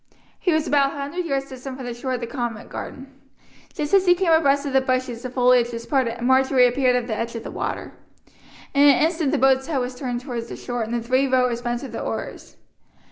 He was about a hundred yards distant from the shore of the convent garden. Just as he came abreast of the bushes the foliage was parted and Marjory appeared at the edge of the water. In an instant the boat's head was turned toward shore, and the three rowers bent to the oars.